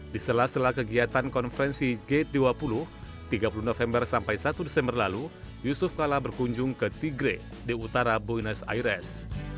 di sela sela kegiatan konferensi gate dua puluh tiga puluh november sampai satu desember lalu yusuf kala berkunjung ke tigre di utara buenos aires